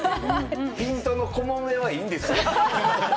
ピントのところは、いいんですよ。